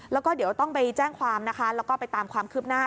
แล้วก็เดี๋ยวต้องไปแจ้งความนะคะแล้วก็ไปตามความคืบหน้า